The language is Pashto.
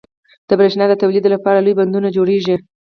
• د برېښنا د تولید لپاره لوی بندونه جوړېږي.